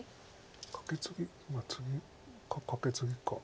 カケツギツギカケツギか。